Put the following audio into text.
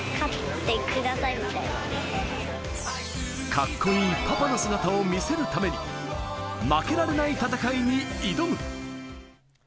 カッコいいパパの姿を見せるために負けられない戦いに挑む。